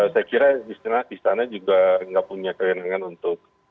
saya kira istana juga nggak punya kewenangan untuk